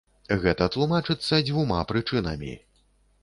Гэта тлумачыцца дзвюма прычынамі.